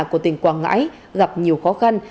của tỉnh quảng ngãi gặp nhiều khó khăn